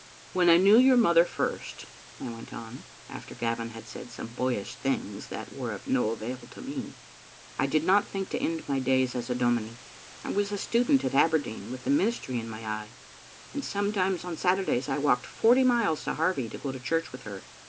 "When I knew your mother first," I went on, after Gavin had said some boyish things that were of no avail to me, " I did not think to end my days as a dominie. I was a student at Aberdeen, with the ministry in my eye, and sometimes on Saturdays I walked forty miles to Harvie to go to church with her.